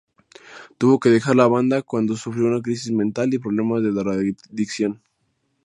Tuvo que dejar la banda cuando sufrió una crisis mental y problemas de drogadicción.